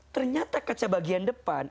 ternyata kaca bagian depan